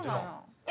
えっ！